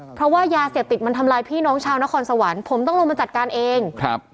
เพราะว่ายาเสพติดมันทำลายพี่น้องชาวนครสวรรค์ผมต้องลงมาจัดการเองครับ